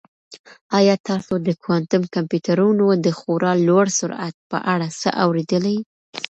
آیا تاسو د کوانټم کمپیوټرونو د خورا لوړ سرعت په اړه څه اورېدلي؟